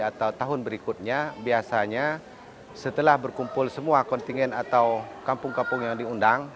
atau tahun berikutnya biasanya setelah berkumpul semua kontingen atau kampung kampung yang diundang